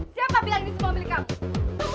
siapa bilang ini semua milik kamu